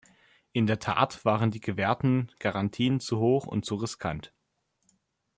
In der Tat waren die gewährten Garantien zu hoch und zu riskant.